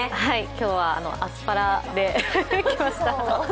今日はアスパラで来ました。